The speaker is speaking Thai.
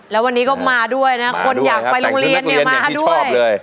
แล้ววันนี้ก็มาด้วยนะคนอยากไปโรงเรียนเนี่ยมาด้วย